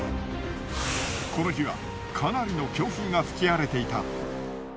この日はかなりの強風が吹き荒れていた。